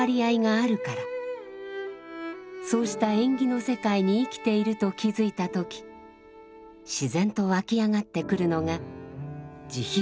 そうした縁起の世界に生きていると気づいた時自然と湧き上がってくるのが慈悲です。